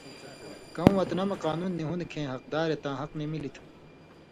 کؤں وطنہ مہ قانُون نی ہُون٘د کھیں حقدارے تاں حق نی مِلیۡ تُھو۔